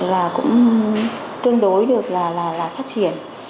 là cũng tương đối được là phát triển